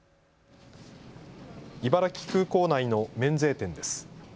茨城空港内の免税店です。